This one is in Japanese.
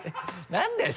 何だよ？